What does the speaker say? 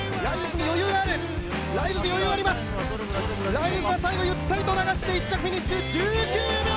ライルズは最後ゆったりと流して１着フィニッシュ。